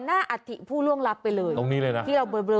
อัฐิผู้ล่วงลับไปเลยตรงนี้เลยนะที่เราเบลอ